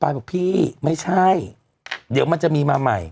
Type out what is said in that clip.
บอกพี่ไม่ใช่เดี๋ยวมันจะมีมาใหม่